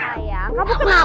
sayang kamu kenapa sih